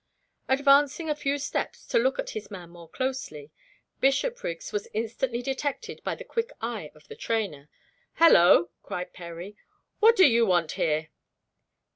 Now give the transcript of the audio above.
Advancing a few steps to look at his man more closely, Bishopriggs was instantly detected by the quick eye of the trainer. "Hullo!" cried Perry, "what do you want here?"